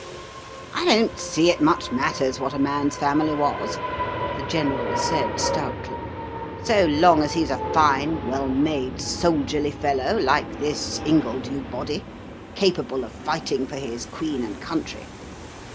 "I don't see it much matters what a man's family was," the General said stoutly, "so long as he's a fine, well made, soldierly fellow, like this Ingledew body, capable of fighting for his Queen and country.